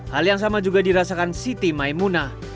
hal yang sama juga dirasakan siti maimunah